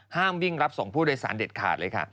ห้ามวิ่งรับส่งผู้โดยสารเด็ดขาดเลยค่ะ